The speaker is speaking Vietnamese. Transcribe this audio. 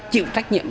chịu trách nhiệm